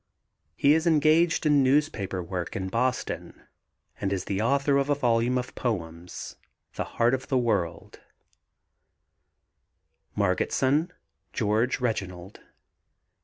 He is engaged in newspaper work in Boston and is the author of a volume of poems, The Heart of the World. MARGETSON, GEORGE REGINALD.